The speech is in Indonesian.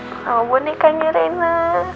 sama bonekanya reina